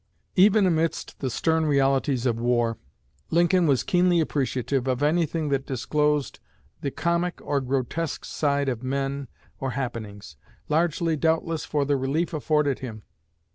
Even amidst the stern realities of war, Lincoln was keenly appreciative of anything that disclosed the comic or grotesque side of men or happenings, largely, doubtless, for the relief afforded him.